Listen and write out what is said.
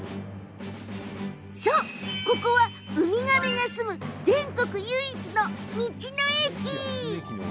そう、ここはウミガメが住む全国唯一の道の駅。